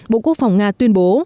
bộ quốc phòng nga tuyên bố